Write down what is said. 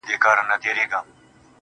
راسره جانانه ,